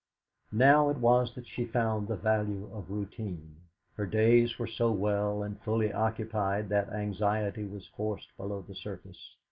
Now it was that she found the value of routine. Her days were so well and fully occupied that anxiety was forced below the surface.